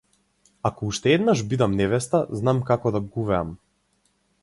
Ако уште еднаш бидам невеста, знам како да гувеам.